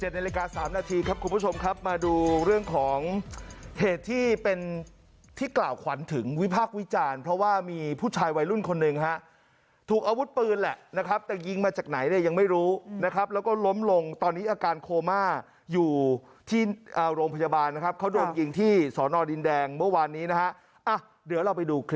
นาฬิกา๓นาทีครับคุณผู้ชมครับมาดูเรื่องของเหตุที่เป็นที่กล่าวขวัญถึงวิพากษ์วิจารณ์เพราะว่ามีผู้ชายวัยรุ่นคนหนึ่งฮะถูกอาวุธปืนแหละนะครับแต่ยิงมาจากไหนเนี่ยยังไม่รู้นะครับแล้วก็ล้มลงตอนนี้อาการโคม่าอยู่ที่โรงพยาบาลนะครับเขาโดนยิงที่สอนอดินแดงเมื่อวานนี้นะฮะเดี๋ยวเราไปดูคลิป